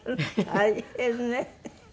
大変ね。